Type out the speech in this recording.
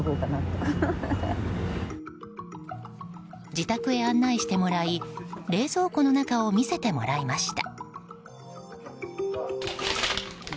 自宅へ案内してもらい冷蔵庫の中を見せてもらいました。